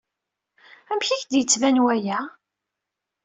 Amek i ak-d-yettban waya?